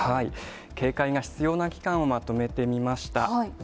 警戒が必要な期間をまとめてみました。